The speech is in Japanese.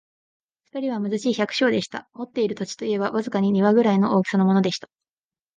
二人は貧しい百姓でした。持っている土地といえば、わずかに庭ぐらいの大きさのものでした。